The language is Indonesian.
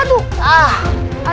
aduh si nurman